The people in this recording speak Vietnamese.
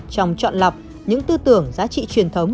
trong chọn lọc những tư tưởng giá trị truyền thống